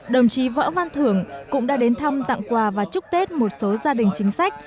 đồng chí võ văn thưởng cũng đã đến thăm tặng quà và chúc tết một số gia đình chính sách